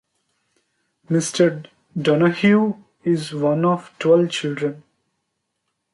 Mr. Donahue is one of twelve children.